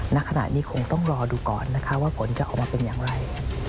ณขณะนี้คงต้องรอดูก่อนนะคะว่าผลจะออกมาเป็นอย่างไร